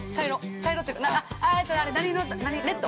茶色っていうかレッド？